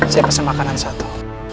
saya pesen makanan satu